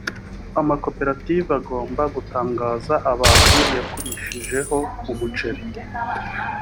amakoperative agomba gutangaza abantu yagurishijeho umuceri